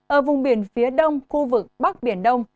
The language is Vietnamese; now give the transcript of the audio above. ở vùng biển phía đông khu vực bắc biển đông